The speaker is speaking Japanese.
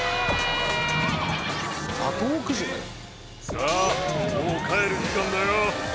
さあもう帰る時間だよ。